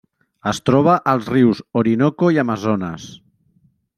Es troba als rius Orinoco i Amazones.